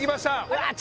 うわっ